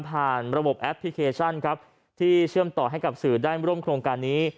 ระบบแอปพลิเคชันครับที่เชื่อมต่อให้กับสื่อได้ร่วมโครงการนี้